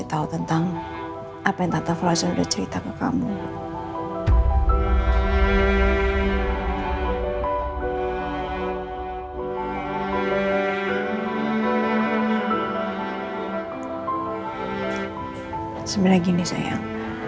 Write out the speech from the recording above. mama angin gak tinggalin aku di pantai asuhan